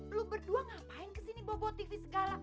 lu berdua ngapain kesini bawa bawa tv segala